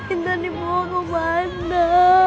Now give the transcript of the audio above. intan dibawa kemana